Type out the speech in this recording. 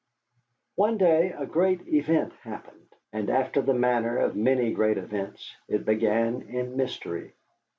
One day a great event happened, and after the manner of many great events, it began in mystery.